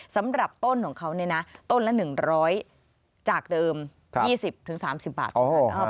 สำหรับต้นของเขาเนี่ยนะต้นละหนึ่งร้อยจากเดิมครับ๒๐๓๐บาทอ๋อ